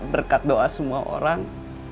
berkat doa semua orang